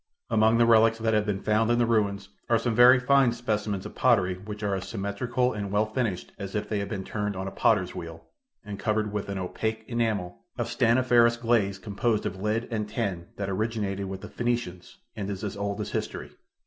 Among the relics that have been found in the ruins are some very fine specimens of pottery which are as symmetrical and well finished as if they had been turned on a potter's wheel, and covered with an opaque enamel of stanniferous glaze composed of lead and tin that originated with the Phoenicians, and is as old as history.